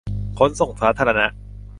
ขนส่งสาธารณะ